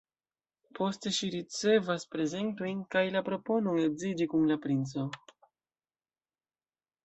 Poste ŝi ricevas prezentojn kaj la proponon edziĝi kun la princo.